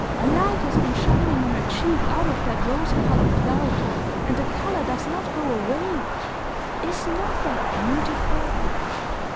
A light has been shining on her cheek out of that rose colored cloud! and the color does not go away! Is not that beautiful!"